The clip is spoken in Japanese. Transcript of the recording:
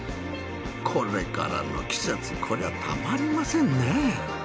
これからの季節こりゃたまりませんね。